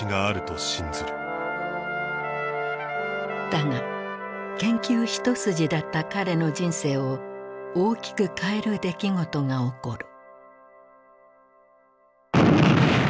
だが研究一筋だった彼の人生を大きく変える出来事が起こる。